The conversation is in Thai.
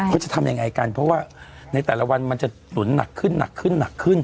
เขาจะทำยังไงกันเพราะว่าในแต่ละวันมันจะหนุนหนักขึ้น